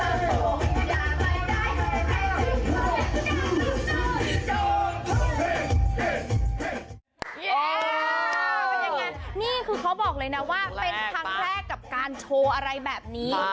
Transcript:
เป็นยังไงนี่คือเขาบอกเลยนะว่าเป็นครั้งแรกกับการโชว์อะไรแบบนี้